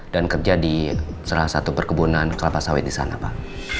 dan kerja di salah satu perkebunan kelapa sawit di sana pak